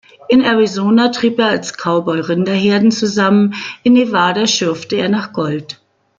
In Arizona trieb er als Cowboy Rinderherden zusammen, in Nevada schürfte er nach Gold.